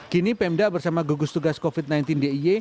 kini pemda bersama gugus tugas covid sembilan belas d i e